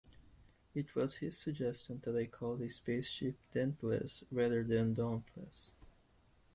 It was his suggestion that I call the spaceship "Dentless" rather than "Dauntless".